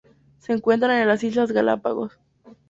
Se encuentran en las Islas Galápagos.